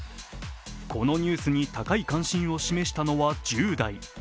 このニュースに高い関心を示したのは１０代。